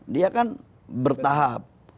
dia kan bertahap